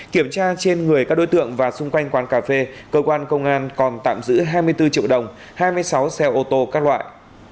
kiểm tra trên người các đối tượng và xung quanh quán cà phê cơ quan công an còn tạm giữ hai mươi bốn triệu đồng hai mươi sáu xe ô tô các loại